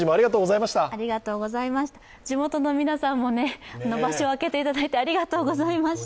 地元の皆さんも場所を空けていただいてありがとうございました。